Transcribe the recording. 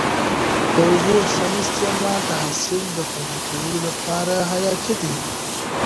د اوبو سم استعمال د حاصل د خوندي کولو لپاره حیاتي دی.